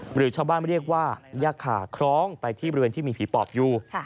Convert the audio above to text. หรือชาวบ้านเรียกว่าย่าขาคล้องไปที่บริเวณที่มีผีปอบอยู่